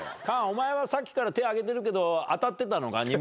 菅お前はさっきから手挙げてるけど当たってたのか？